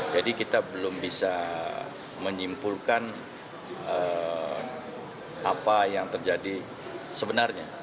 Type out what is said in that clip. jadi kita belum bisa menyimpulkan apa yang terjadi sebenarnya